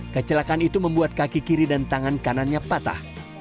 kecelakaan itu membuat kaki kiri dan tangan kanannya patah